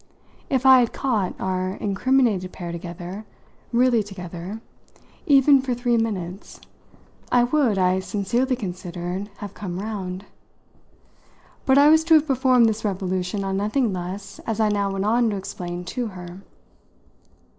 If I had "caught" our incriminated pair together really together even for three minutes, I would, I sincerely considered, have come round. But I was to have performed this revolution on nothing less, as I now went on to explain to her.